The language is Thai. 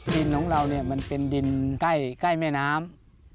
ดินของเราเป็นดินใกล้แม่น้ำ